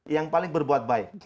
yang paling berbuat baik